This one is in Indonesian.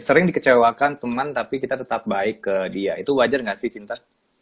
sering dikecewakan teman tapi kita tetap baik ke dia itu wajar gak sih cinta